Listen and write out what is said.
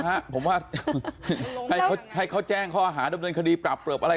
ฮะผมว่าให้เขาแจ้งข้ออาหารด้วยคดีปรับเริบอะไร